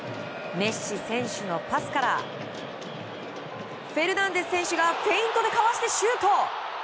メッシ選手のパスからフェルナンデス選手がフェイントでかわしてシュート！